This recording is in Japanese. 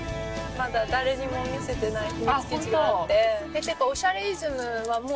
まだ誰にも見せてない秘密基地があって。